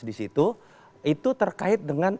di situ itu terkait dengan